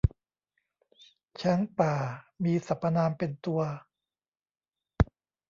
ช้างป่า มีสรรพนามเป็นตัว